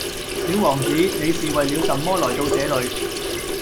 小王子，你是為了什麼來到這裏？